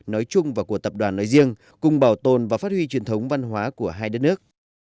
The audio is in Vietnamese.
nói chung và của tập đoàn nói riêng cùng bảo tồn và phát huy truyền thống văn hóa của hai đất nước